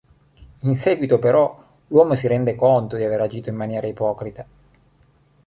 In seguito, però, l'uomo si rende conto di aver agito in maniera ipocrita.